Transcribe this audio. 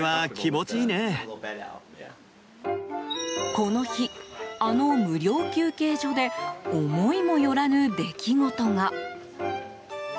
この日、あの無料休憩所で思いもよらぬ出来事が。